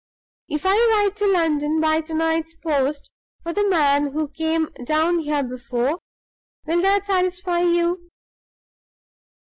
"If I write to London by to night's post for the man who came down here before, will that satisfy you?"